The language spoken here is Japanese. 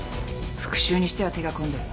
復讐にしては手が込んでる。